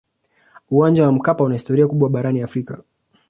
uwanja wa mkapa una historia kubwa barani afrika